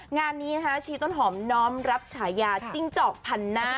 งานนี้ชีต้นหอมน้องรับฉายาจิ้งเจาะภัณฑ์